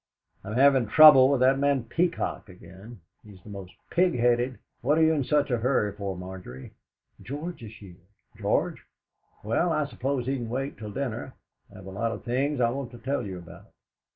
"I'm having trouble with that man Peacock again. He's the most pig headed What are you in such a hurry for, Margery?" "George is here!" "George? Well, I suppose he can wait till dinner. I have a lot of things I want to tell you about.